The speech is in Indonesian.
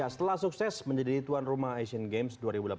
setelah sukses menjadi tuan rumah asian games dua ribu delapan belas